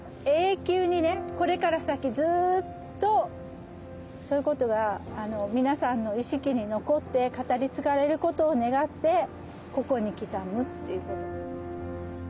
永久にねこれから先ずっとそういう事がみなさんの意識に残って語りつがれる事を願ってここに刻むっていうふうに。